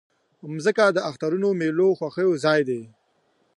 مځکه د اخترونو، میلو، خوښیو ځای ده.